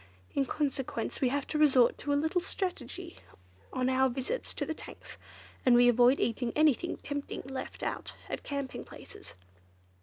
In consequence, we have to resort to a little strategy on our visits to the tanks, and we avoid eating anything tempting left about at camping places."